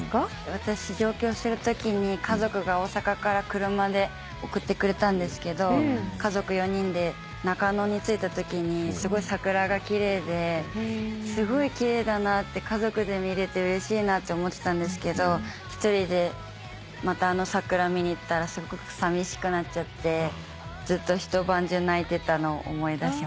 私上京するときに家族が大阪から車で送ってくれたんですけど家族４人で中野に着いたときにすごい桜が奇麗ですごい奇麗だなって家族で見れてうれしいなって思ってたんですけど１人でまたあの桜見に行ったらすごくさみしくなっちゃってずっと一晩中泣いてたのを思い出します。